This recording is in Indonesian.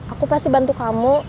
aku pasti bantu kamu